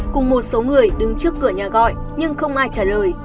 cùng một số người đứng trước cửa nhà gọi nhưng không ai trả lời